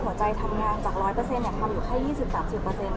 ทำงานจาก๑๐๐ทำอยู่แค่๒๐๓๐